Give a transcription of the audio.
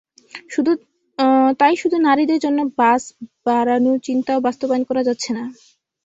তাই শুধু নারীদের জন্য বাস বাড়ানোর চিন্তাও বাস্তবায়ন করা যাচ্ছে না।